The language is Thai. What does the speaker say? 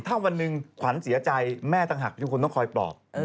ถ้าวันหนึ่งขวัญเสียใจแม่ต่างหากทุกคนต้องคอยปลอบ